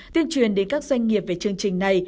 tuyên truyền đến các doanh nghiệp về chương trình này